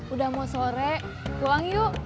udah mau sore uang yuk